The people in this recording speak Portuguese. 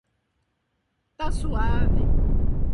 Tá suave.